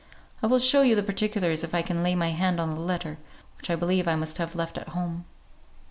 I will show you the particulars if I can lay my hand on the letter, which I believe I must have left at home."